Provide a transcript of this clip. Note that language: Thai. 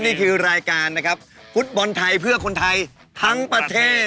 นี่คือรายการนะครับฟุตบอลไทยเพื่อคนไทยทั้งประเทศ